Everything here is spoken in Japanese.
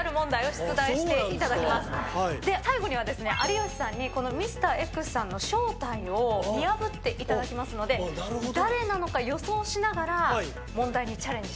最後にはですね有吉さんにミスターＸさんの正体を見破っていただきますので誰なのか予想しながら問題にチャレンジしてください。